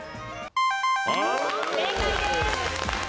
正解です！